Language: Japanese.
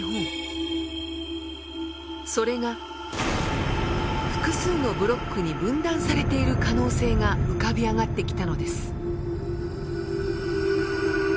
それが複数のブロックに分断されている可能性が浮かび上がってきたのです。